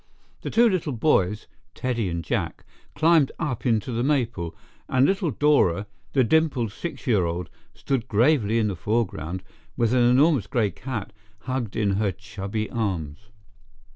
The two little boys, Teddy and Jack, climbed up into the maple, and little Dora, the dimpled six year old, stood gravely in the foreground with an enormous grey cat hugged in her chubby arms.